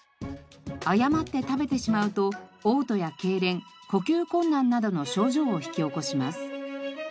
誤って食べてしまうと嘔吐やけいれん呼吸困難などの症状を引き起こします。